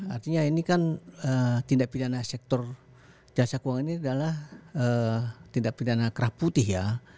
artinya ini kan tindak pidana sektor jasa keuangan ini adalah tindak pidana kerah putih ya